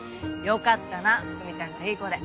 よかったな久美ちゃんがいい子で。